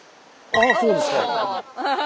あっそうですか。